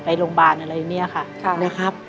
ไปโรงบาลก็ได้